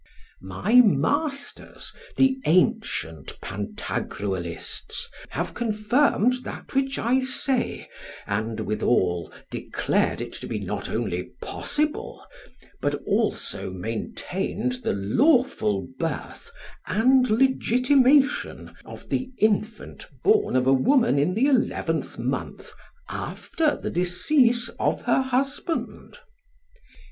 My masters, the ancient Pantagruelists, have confirmed that which I say, and withal declared it to be not only possible, but also maintained the lawful birth and legitimation of the infant born of a woman in the eleventh month after the decease of her husband.